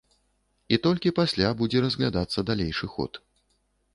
І толькі пасля будзе разглядацца далейшы ход.